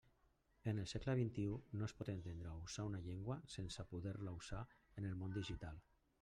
En el s. XXI no es pot entendre usar una llengua sense poder-la usar en el món digital.